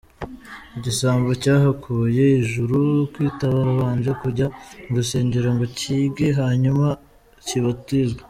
Igisambo cyahakuye ijuru, kitarabanje kujya mu rusengero ngo cyige, hanyuma kibatizwe.